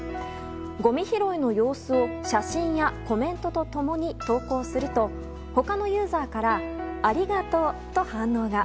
ごみ拾いの様子を写真やコメントと共に投稿すると他のユーザーからありがとうと反応が。